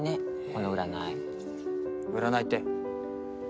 この占い占いって？